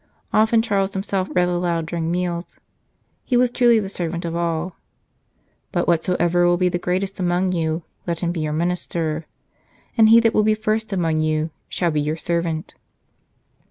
Often Charles himself read aloud during meals ; he was truly the servant of all. " But whosoever will be the greatest amongst you, let him be your minister. And he that will be first among you shall be your servant."